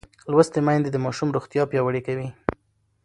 لوستې میندې د ماشوم روغتیا پیاوړې کوي.